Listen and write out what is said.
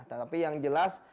tapi yang jelas